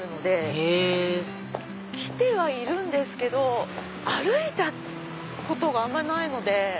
へぇ来てはいるんですけど歩いたことがあまりないので。